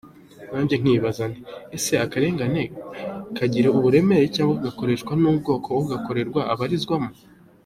Nanjye nkibaza nti “ese akarengane kagira uburemere cyangwa kakoroshywa n’ubwoko ugakorerwa abarizwamo ?